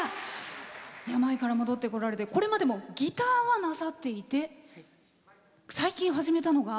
病から戻ってこられてこれまでもギターはなさっていて最近、始めたのが？